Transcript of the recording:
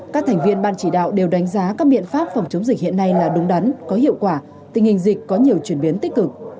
các thành viên ban chỉ đạo đều đánh giá các biện pháp phòng chống dịch hiện nay là đúng đắn có hiệu quả tình hình dịch có nhiều chuyển biến tích cực